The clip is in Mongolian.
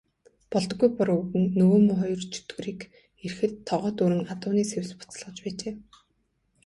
Болдоггүй Бор өвгөн нөгөө муу хоёр чөтгөрийг ирэхэд тогоо дүүрэн адууны сэвс буцалгаж байжээ.